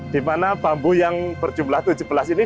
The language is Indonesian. dimana bambu yang berjumlah tujuh belas ini